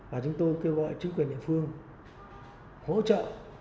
và chúng tôi kêu gọi chính quyền địa phương hỗ trợ